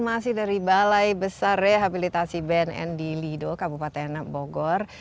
masih dari balai besar rehabilitasi bnn di lido kabupaten bogor